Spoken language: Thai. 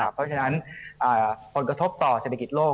เพราะฉะนั้นผลกระทบต่อเศรษฐกิจโลก